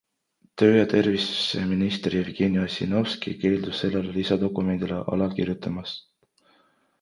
Töö- ja terviseminister Jevgeni Ossinovski keeldus sellele lisadokumendile alla kirjutamast.